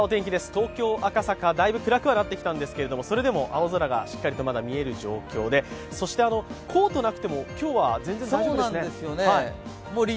東京・赤坂、だいぶ暗くはなってきましたが、それでもまだ青空がしっかりと見える状況でそしてコートなくても今日は全然大丈夫ですね。